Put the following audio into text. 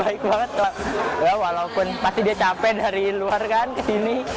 ya walaupun pasti dia capek dari luar kan ke sini